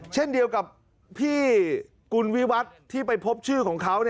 เช่นเดียวกับพี่กุลวิวัตรที่ไปพบชื่อของเขา